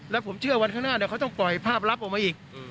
แล้วผมเชื่อวันข้างหน้าเดี๋ยวเขาต้องปล่อยภาพลับออกมาอีก